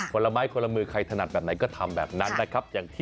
ผลไม้คนละมือใครถนัดแบบไหนก็ทำแบบนั้นนะครับ